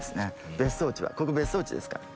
別荘地はここ別荘地ですから。